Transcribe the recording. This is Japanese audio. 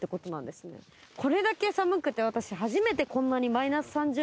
これだけ寒くて私。